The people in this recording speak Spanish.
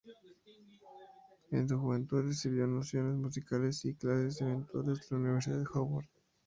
En su juventud recibió nociones musicales y clases eventuales en la Universidad Howard.